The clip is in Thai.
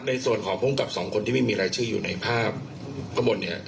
ในส่วนของภูมิกับสองคนที่ไม่มีรายชื่ออยู่ในภาพข้างบนเนี่ย